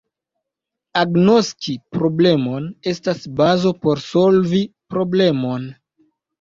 Agnoski problemon estas bazo por solvi problemon.